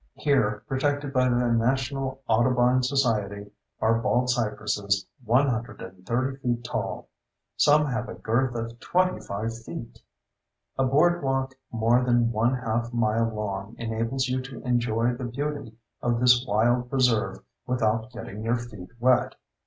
Here, protected by the National Audubon Society, are baldcypresses 130 feet tall; some have a girth of 25 feet! A boardwalk more than one half mile long enables you to enjoy the beauty of this wild preserve without getting your feet wet.